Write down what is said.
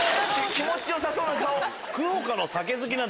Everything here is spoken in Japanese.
気持ち良さそうな顔。